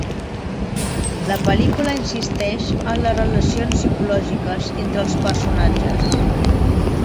La pel·lícula insisteix en les relacions psicològiques entre els personatges.